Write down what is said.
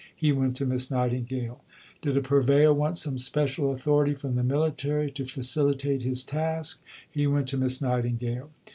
He went to Miss Nightingale. Did a purveyor want some special authority from the military to facilitate his task? He went to Miss Nightingale.